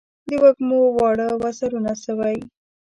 د وږمو واړه وزرونه سوی